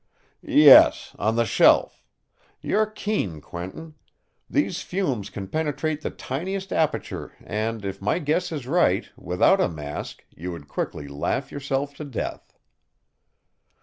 "Yes on the shelf. You're keen, Quentin. These fumes can penetrate the tiniest aperture and, if my guess is right, without a mask, you would quickly laugh yourself to death."